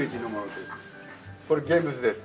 これ現物です。